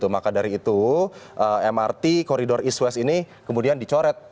maka dari itu mrt koridor east west ini kemudian dicoret